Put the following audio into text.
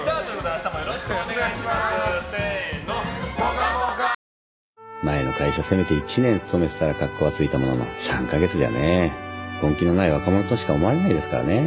我々前の会社せめて１年勤めてたらカッコがついたものの３カ月じゃね根気のない若者としか思われないですからね。